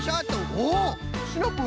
おおシナプー